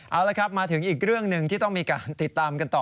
เอาละครับมาถึงอีกเรื่องหนึ่งที่ต้องมีการติดตามกันต่อ